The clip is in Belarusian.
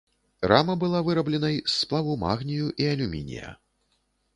Рама была вырабленай з сплаву магнію і алюмінія.